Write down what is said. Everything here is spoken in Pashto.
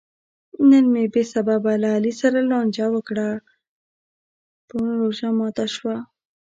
نن مې بې سببه له علي سره لانجه وکړه؛ په غولو روژه ماته شوه.